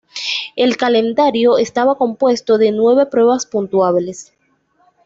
El calendario estaba compuesto de nueve pruebas puntuables.